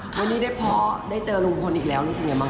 ค่ะวันนี้ได้เพาะได้เจอลุงคนอีกแล้วนี่ใช่ไหมคะ